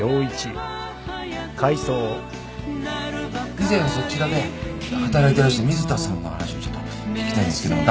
以前そちらで働いていらした水田さんの話をちょっと聞きたいんですけども。